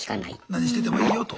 何しててもいいよと。